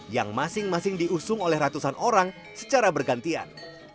yang masing masing diusung oleh ratusan orang secara bergantian